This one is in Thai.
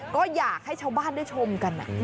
ก็อยากให้ชาวบ้านได้ชมกัน